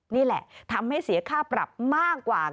นี่แหละทำให้เสียค่าปรับมากกว่า